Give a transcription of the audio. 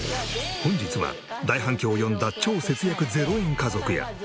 本日は大反響を呼んだ超節約０円家族や。